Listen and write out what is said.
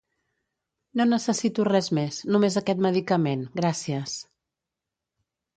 No necessito res més, només aquest medicament. Gràcies.